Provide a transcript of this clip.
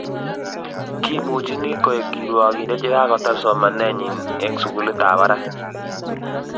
kimuchini koek kirwokinde yekakotar somanenyin eng sukulitab barak